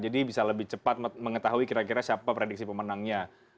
jadi bisa lebih cepat mengetahui kira kira siapa prediksi pemenangnya